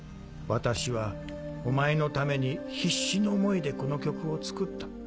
「私はお前の為に必死の思いでこの曲を作った。